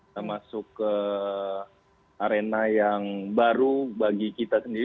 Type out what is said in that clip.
karena itu adalah arena yang baru bagi kita sendiri